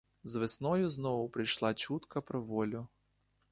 З весною знову прийшла чутка про волю.